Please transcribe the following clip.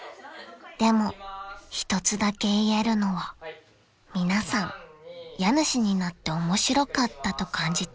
［でも一つだけ言えるのは皆さん家主になって面白かったと感じていること］